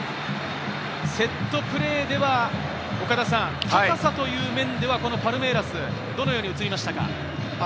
セットプレーでは高さという面では、パルメイラス、どのように映りましたか？